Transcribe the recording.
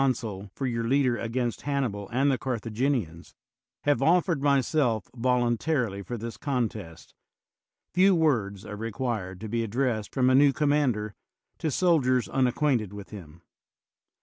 Spillan and Edmonds 3 THE WORLD'S FAMOUS ORATIONS for your leader against Hannibal and the Car thaginianSy have offered myself voluntarily for this contest, few words are required to be ad dressed from a new commander to soldiers unac quainted with him.